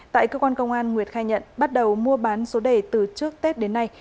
tại cơ quan công an nguyệt khai nhận bắt đầu mua bán số đề từ trước tết đến nay